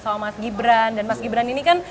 sama mas gibran dan mas gibran ini kan